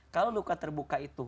kalau luka terbuka itu